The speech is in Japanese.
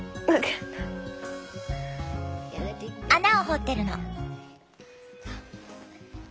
穴を掘ってるの。